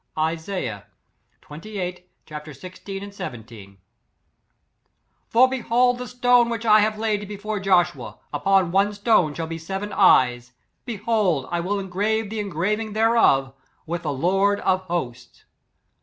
Isaiah^ xxviii ch, iQ b^ i7 v, " For behold the stone which I have laid before Joshua: upon one stone shall be seven eyes. Behold I will engrave the engraving thereof, with the lord of HOSTS."